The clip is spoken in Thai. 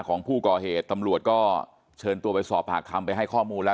ของผู้ก่อเหตุตำรวจก็เชิญตัวไปสอบปากคำไปให้ข้อมูลแล้ว